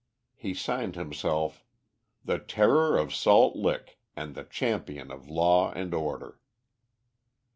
He signed himself "The Terror of Salt Lick, and the Champion of Law and Order."